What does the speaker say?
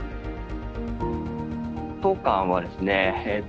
当館はですね